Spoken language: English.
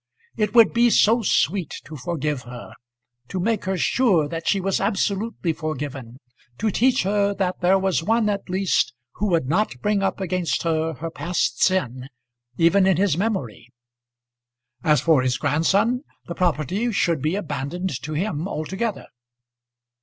It would be so sweet to forgive her; to make her sure that she was absolutely forgiven; to teach her that there was one at least who would not bring up against her her past sin, even in his memory. As for his grandson, the property should be abandoned to him altogether.